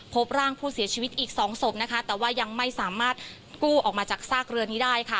พบร่างผู้เสียชีวิตอีกสองศพนะคะแต่ว่ายังไม่สามารถกู้ออกมาจากซากเรือนี้ได้ค่ะ